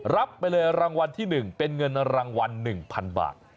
รับไปเลยรางวัลที่๑เป็นเงินรางวัล๑๐๐๐บาท